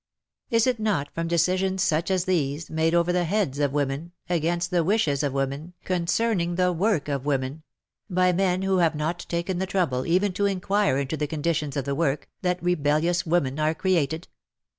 Is it not from decisions such as these, made over the heads of women, against the wishes of women, concerning the work of women — by men who have not taken the trouble even to inquire into the conditions of the work, that rebellious women are created